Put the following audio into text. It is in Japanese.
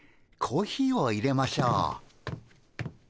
コーヒーをいれましょう。